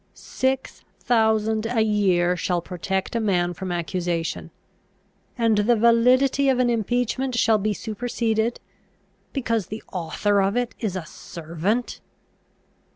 Six thousand a year shall protect a man from accusation; and the validity of an impeachment shall be superseded, because the author of it is a servant!